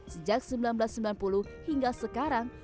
sejak seribu sembilan ratus sembilan puluh hingga sekarang